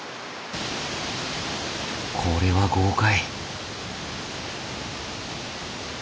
これは豪快。